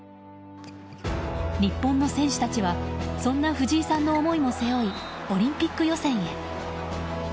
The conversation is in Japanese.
日本の選手たちはそんな藤井さんの思いも背負いオリンピック予選へ。